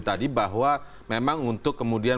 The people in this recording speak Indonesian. tadi bahwa memang untuk kemudian